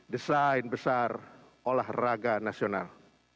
desain besar olahraga nasional